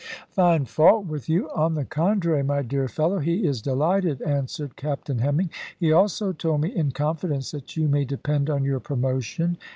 "Find fault with you! On the contrary, my dear fellow, he is delighted," answered Captain Hemming. "He also told me in confidence that you may depend on your promotion.